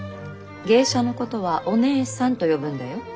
芸者のことはお姐さんと呼ぶんだよ。